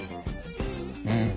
うん。